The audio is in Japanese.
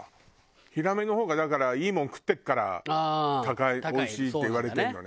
ヒラメの方がだからいいもん食ってるから高いおいしいって言われてるのね。